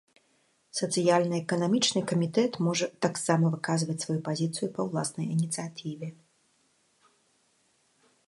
Сацыяльна-эканамічны камітэт можа таксама выказваць сваю пазіцыю па ўласнай ініцыятыве.